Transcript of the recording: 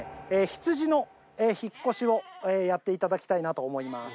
ヒツジの引っ越しをやって頂きたいなと思います。